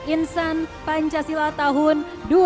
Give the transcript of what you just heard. insan pancasila tahun dua ribu dua puluh